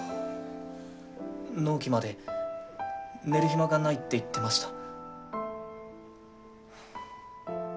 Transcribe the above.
納期まで寝る暇がないって言ってました。